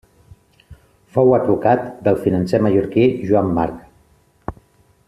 Fou advocat del financer mallorquí Joan March.